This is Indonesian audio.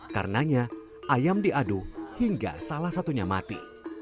karenanya ayam diadu hingga salah satunya mati